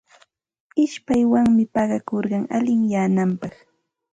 Ishpaywanmi paqakurkun allinyananpaq.